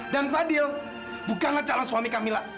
dan fadil bukanlah calon suami kamila